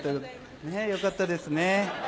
よかったですね。